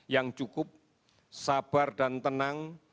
yang cukup sabar dan tenang